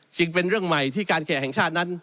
เป็นเรื่องใหม่ที่การแขกแห่งชาตินั้น